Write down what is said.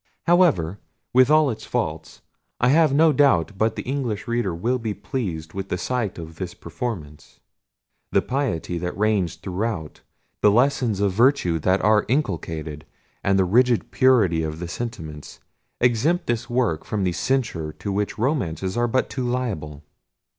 However, with all its faults, I have no doubt but the English reader will be pleased with a sight of this performance. The piety that reigns throughout, the lessons of virtue that are inculcated, and the rigid purity of the sentiments, exempt this work from the censure to which romances are but too liable.